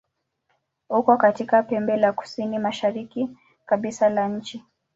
Uko katika pembe la kusini-mashariki kabisa la nchi.